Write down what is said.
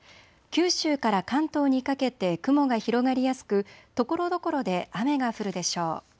九州から関東にかけて雲が広がりやすくところどころで雨が降るでしょう。